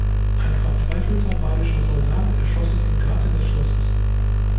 Ein verzweifelter badischer Soldat erschoss sich im Garten des Schlosses.